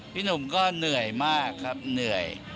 พี่หนุ่มก็เหนื่อยมากครับเหนื่อย